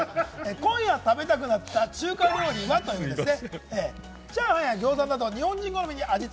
今夜食べたくなった中華料理は？ということです。